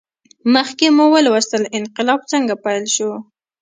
مخکې مو ولوستل انقلاب څنګه پیل شو.